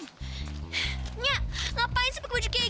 emangnya ngapain gua pakai baju begini